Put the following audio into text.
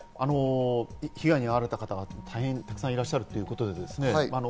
被害に遭われた方はたくさんいらっしゃるということですね。